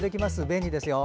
便利ですよ。